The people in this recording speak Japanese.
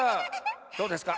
どうですか？